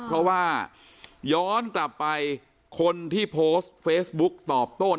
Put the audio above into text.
เพราะว่าย้อนกลับไปคนที่โพสต์เฟซบุ๊กตอบโต้